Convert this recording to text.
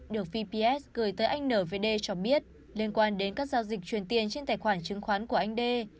được vps gửi tới anh nvd cho biết liên quan đến các giao dịch truyền tiền trên tài khoản chứng khoán của anh đê